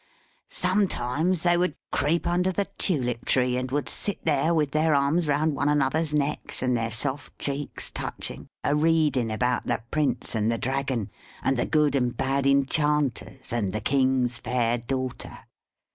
Sometimes they would creep under the Tulip tree, and would sit there with their arms round one another's necks, and their soft cheeks touching, a reading about the Prince and the Dragon, and the good and bad enchanters, and the king's fair daughter.